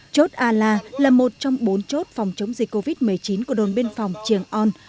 chốt a la là một trong bốn chốt phòng chống dịch covid một mươi chín của đồn biên phòng trường on